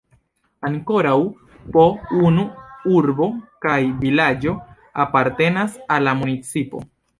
Ankoraŭ po unu urbo kaj vilaĝo apartenas al la municipo.